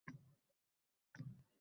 Ertaga oxirgi ish kunim